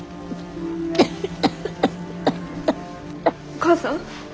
お母さん？